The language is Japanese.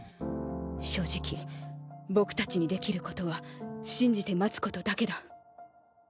正直僕たちにできる事は信じて待つ事だけだ。